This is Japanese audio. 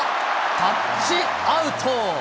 タッチアウト。